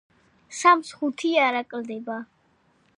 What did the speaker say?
სამს ხუთი არ აკლდება.